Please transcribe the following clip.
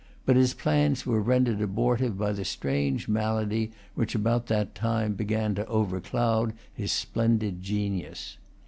But his plans were rendered abortive by the strange malady which about that time began to overcloud his splendid genius.